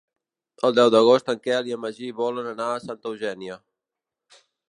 El deu d'agost en Quel i en Magí volen anar a Santa Eugènia.